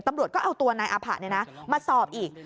ตำรวจก็เอาตัวนายอาผะมาสอบอีก